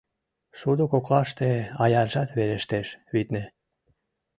— Шудо коклаште аяржат верештеш, витне?